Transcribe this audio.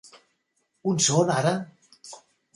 On són ara?